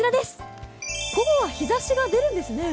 午後は日ざしが出るんですね。